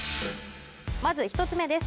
まず１つ目です